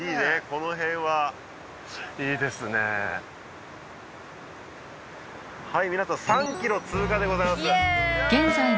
この辺ははい皆さん３ｋｍ通過でございますイエイ！